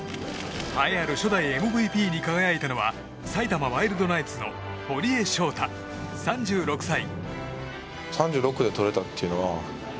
栄えある初代ＭＶＰに輝いたのは埼玉ワイルドナイツの堀江翔太、３６歳。